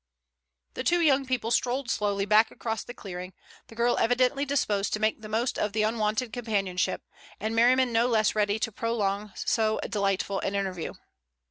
The two young people strolled slowly back across the clearing, the girl evidently disposed to make the most of the unwonted companionship, and Merriman no less ready to prolong so delightful an interview.